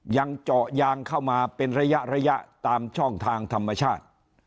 ยังเจาะยางเข้ามาเป็นระยะระยะตามช่องทางธรรมชาติ